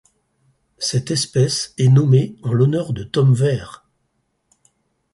Cette espèce est nommée en l'honneur de Tom Weir.